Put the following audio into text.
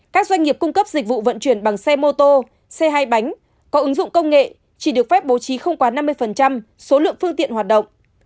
các doanh nghiệp cung cấp dịch vụ vận chuyển bằng xe mô tô xe hai bánh có ứng dụng công nghệ chỉ được phép bố trí không quá năm mươi số lượng phương tiện hoạt động